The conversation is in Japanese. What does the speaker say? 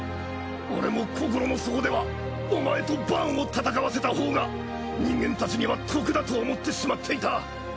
俺も心の底ではお前とバーンを戦わせたほうが人間たちには得だと思ってしまっていた。